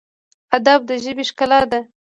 ادب د ژبې ښکلا ده